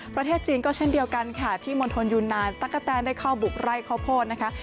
ประเทศจีนก็เช่นเดียวกันค่ะที่มณฑลยูนานตะกะแตนได้เข้าบุกไร่ข้าวโพดนะคะ